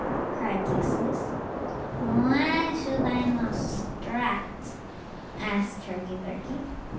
cried Goose loose. "Why should I not strut?" asked Turkey lurkey.